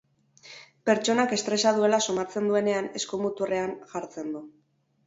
Pertsonak estresa duela somatzen duenean eskumuturrean jartzen du.